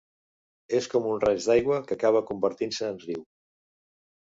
És com un raig d’aigua que acaba convertint-se en riu.